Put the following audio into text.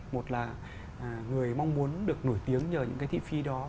một là người mong muốn được nổi tiếng nhờ những cái thị phi đó